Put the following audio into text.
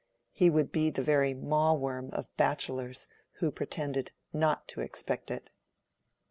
He would be the very Mawworm of bachelors who pretended not to expect it.